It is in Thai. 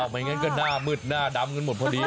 ไม่งั้นก็หน้ามืดหน้าดำกันหมดพอดี